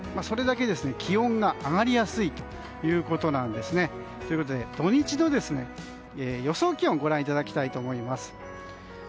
それだけ気温が上がりやすいということなんです。ということで土日の予想気温ご覧いただきたいと思います。